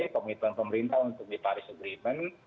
komitmen pemerintah untuk di paris agreement